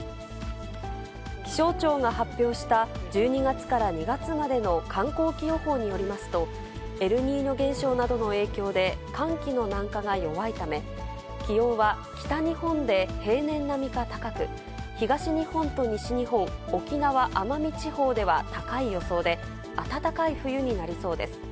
気象庁が発表した、１２月から２月までの寒候期予報によりますと、エルニーニョ現象などの影響で寒気の南下が弱いため、気温は北日本で平年並みか高く、東日本と西日本、沖縄・奄美地方では高い予想で、暖かい冬になりそうです。